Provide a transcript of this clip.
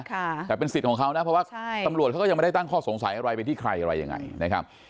แต่เป็นสิทธิ์ของเขานะเพราะว่าตำรวจเขาก็ยังไม่ได้ตั้งข้อสงสัยอะไรไปที่ใครอะไรยังไงนะครับ